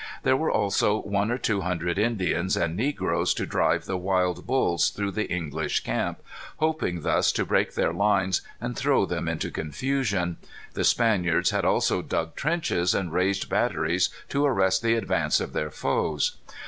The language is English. There were also one or two hundred Indians and negroes to drive the wild bulls through the English camp, hoping thus to break their lines and throw them into confusion. The Spaniards had also dug trenches and raised batteries to arrest the advance of their foes.